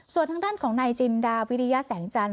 ส่วนทางด้านของนายจินดาวิริยแสงจันท